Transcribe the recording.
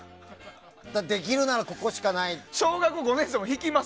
できるならここしかない。